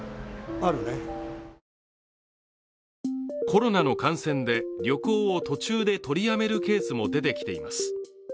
コロナの感染で旅行を途中で取りやめるケースも出てきています。